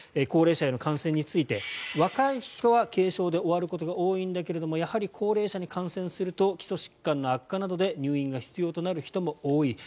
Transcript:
高齢者への感染について若い人は軽症で終わることが多いんだけれどもやはり高齢者に感染すると基礎疾患の悪化などで入院が必要となる人も多い。